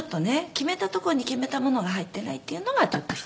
決めたとこに決めたものが入ってないっていうのがちょっと１つ」